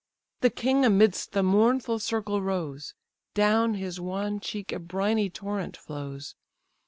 The king amidst the mournful circle rose: Down his wan cheek a briny torrent flows.